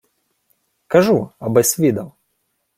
— Кажу, аби-с відав.